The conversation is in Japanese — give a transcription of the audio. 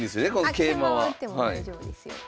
桂馬は打っても大丈夫ですよ。